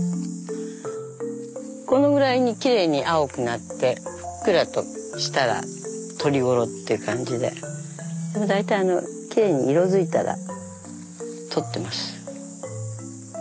このぐらいにきれいに青くなってふっくらとしたら採り頃って感じで大体きれいに色づいたら採ってます。